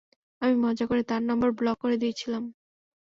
আমি মজা করে তার নাম্বার ব্লক করে দিয়েছিলাম।